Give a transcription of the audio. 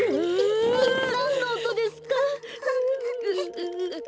なんのおとですか？